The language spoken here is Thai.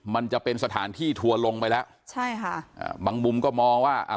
มันจะเป็นสถานที่ทัวร์ลงไปแล้วใช่ค่ะอ่าบางมุมก็มองว่าอ่า